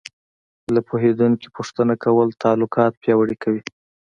له پوهېدونکي پوښتنه کول تعلقات پیاوړي کوي.